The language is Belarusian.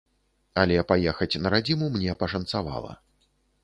Але паехаць на радзіму мне пашанцавала.